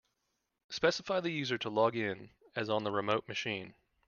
Specify the user to log in as on the remote machine.